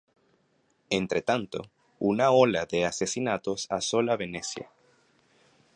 Entre tanto, una ola de asesinatos asola Venecia.